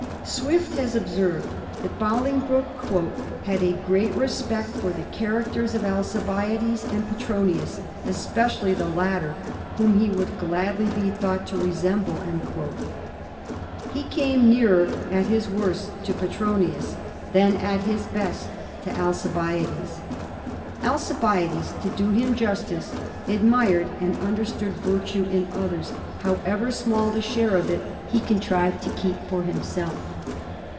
Swift has observed that Bolingbroke * had a great respect for the characters of Alcibiades and Petronius, especially the latter, whom he would gladly be thought to resemble.' He came nearer at his worst to Petronius than at his best to Alcibiades. Alcibiades, to do him justice, admired and understood virtue in others, however small the share of it he contrived to keep for himself.